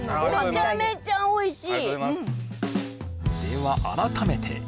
めちゃめちゃおいしい！